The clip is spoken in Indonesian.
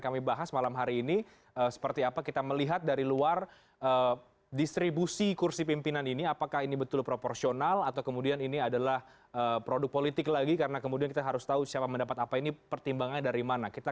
alat kelengkapan dewan